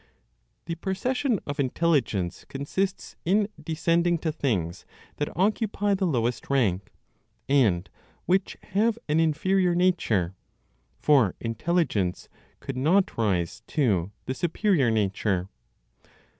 The procession of intelligence consists in descending to things that occupy the lowest rank, and which have an inferior nature, for Intelligence could not rise to the superior Nature.